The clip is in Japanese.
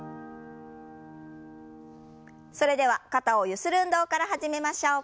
それでは肩をゆする運動から始めましょう。